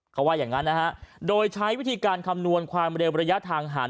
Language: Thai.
เขาว่าอย่างงั้นนะฮะโดยใช้วิธีการคำนวณความเร็วระยะทางห่าง